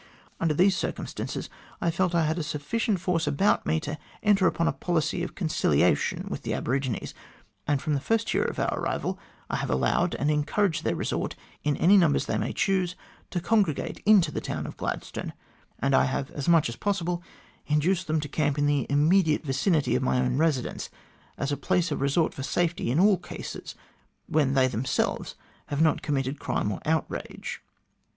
Under these circumstances I felt I had a sufficient force about me to enter upon a policy of conciliation with the aborigines, and from the first year of our arrival I have allowed and encouraged their resort in any numbers they may choose to congregate into the town of Gladstone, and I have as much as possible induced them to camp in the immediate vicinity of my own residence as a place of resort for safety in all cases where they themselves have not committed crime or outrage.